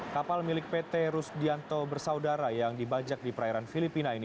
kapal milik pt rusdianto bersaudara yang dibajak di perairan filipina ini